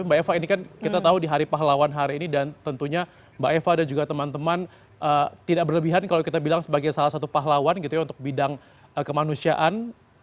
mbak eva ini kan kita tahu di hari pahlawan hari ini dan tentunya mbak eva dan juga teman teman tidak berlebihan kalau kita bilang sebagai salah satu pahlawan gitu ya untuk bidang kemanusiaan